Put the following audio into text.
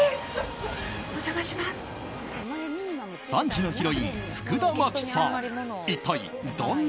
３時のヒロイン福田麻貴さん。